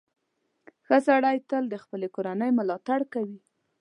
• ښه سړی تل د خپلې کورنۍ ملاتړ کوي.